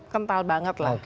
kental banget lah